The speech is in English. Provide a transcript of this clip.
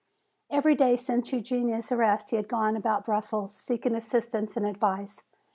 Every day since Eugenia's arrest he had gone about Brussels seeking assistance and advice.